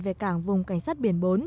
về cảng vùng cảnh sát biển bốn